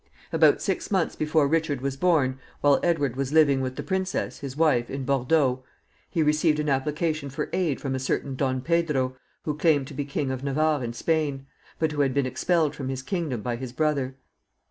] About six months before Richard was born, while Edward was living with the princess, his wife, in Bordeaux, he received an application for aid from a certain Don Pedro, who claimed to be King of Navarre in Spain, but who had been expelled from his kingdom by his brother.